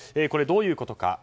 これ、どういうことか。